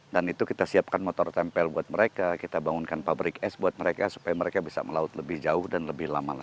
dan itu kita siapkan motor tempel buat mereka kita bangunkan pabrik es buat mereka supaya mereka bisa melaut lebih jauh dan lebih lama lagi